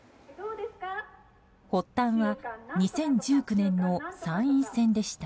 発端は２０１９年の参院選でした。